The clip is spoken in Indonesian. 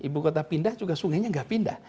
ibu kota pindah juga sungainya nggak pindah